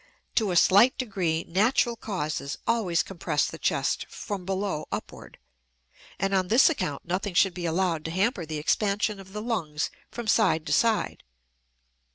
To a slight degree natural causes always compress the chest from below upward; and on this account nothing should be allowed to hamper the expansion of the lungs from side to side.